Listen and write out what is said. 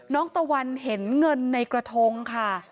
ตะวันเห็นเงินในกระทงค่ะ